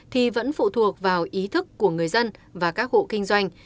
thì vẫn phụ thuộc vào ý thức của người dân và các hộ kinh doanh